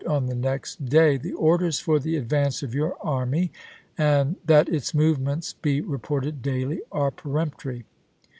on the next day, " The orders for the advance of your army and that its movements be reported daily are peremptory."